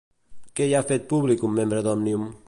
Què hi ha fet públic un membre d'Òmnium?